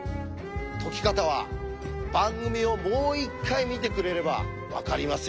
解き方は番組をもう一回見てくれればわかりますよ。